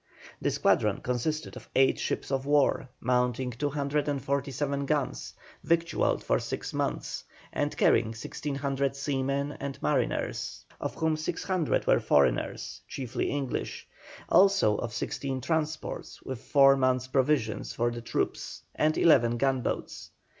The squadron consisted of eight ships of war, mounting 247 guns, victualled for six months, and carrying 1,600 seamen and marines, of whom 600 were foreigners, chiefly English; also of sixteen transports, with four months' provisions for the troops, and eleven gunboats.